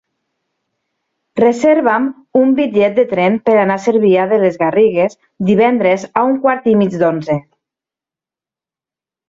Reserva'm un bitllet de tren per anar a Cervià de les Garrigues divendres a un quart i mig d'onze.